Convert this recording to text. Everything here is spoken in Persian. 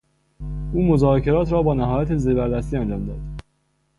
او مذاکرات را با نهایت زبردستی انجام داد.